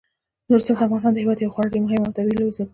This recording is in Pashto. نورستان د افغانستان هیواد یوه خورا مهمه او لویه طبیعي ځانګړتیا ده.